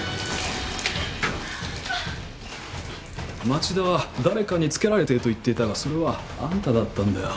町田は誰かにつけられてると言っていたがそれはあんただったんだよ。